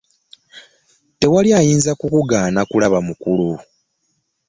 Tewali ayinza kukuganya kulaba mukulu.